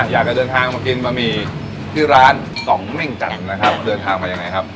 อยากจะเดินทางมากินบะหมี่ที่ร้านสองเม่งจันทร์นะครับเดินทางมายังไงครับ